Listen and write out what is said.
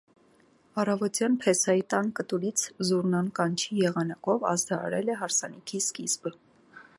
Առավոտյան փեսայի տան կտուրից զուռնան կանչի եղանակով ազդարարել է հարսանիքի սկիզբը։